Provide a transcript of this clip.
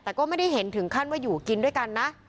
แต่ก็ไม่ได้เห็นถึงขั้นว่าอยู่กินด้วยกันนะ